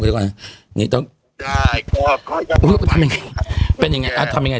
แป๊บนี่ไงฮะ